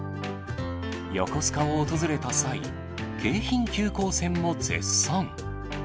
横須賀を訪れた際、京浜急行線も絶賛。